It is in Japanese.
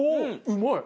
うまい！